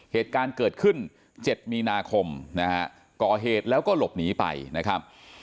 เหตุการณ์เกิดขึ้น๗มีนาคมนะฮะก่อเหตุแล้วก็หลบหนีไปนะครับ